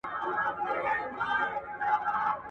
د میندو هورمونونه د ماشوم زېږون پر مهال بدلېږي.